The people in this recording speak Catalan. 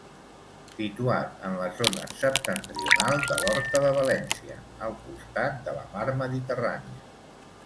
Situat en la zona septentrional de l'Horta de València, al costat de la mar Mediterrània.